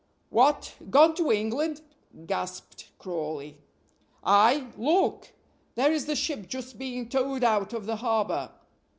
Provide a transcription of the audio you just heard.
"What, gone to England!" gasped Crawley. "Ay, look! there is the ship just being towed out of the harbor."